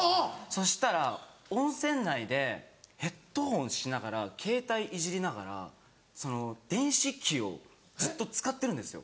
そしたら温泉内でヘッドホンしながらケータイいじりながらその電子機をずっと使ってるんですよ。